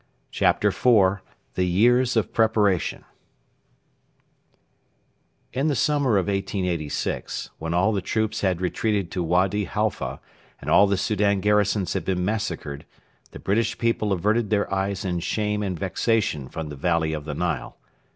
CHAPTER IV: THE YEARS OF PREPARATION In the summer of 1886, when all the troops had retreated to Wady Halfa and all the Soudan garrisons had been massacred, the British people averted their eyes in shame and vexation from the valley of the Nile.